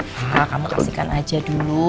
nah kamu kasihkan aja dulu